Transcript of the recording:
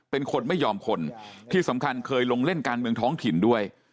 เป็นคนไม่ยอมคนที่สำคัญเคยลงเล่นการเมืองท้องถิ่นด้วย